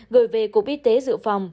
gửi về cổ bí tế dự phòng